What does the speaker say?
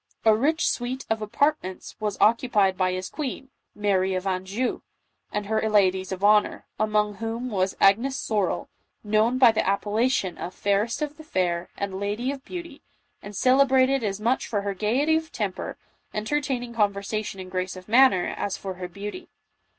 A rich suite of apartments was occupied by his queen, Mary of Anjou, and her ladies of honor, among whom was Agnes Sorrel, known by the appellation of " Fairest of the Fair," and " Lady of Beauty," and celebrated as much for her gaiety of temper, entertaining con versation and grace of manner, as for her beauty.